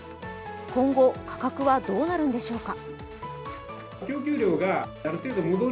今後価格はどうなるんでしょうか？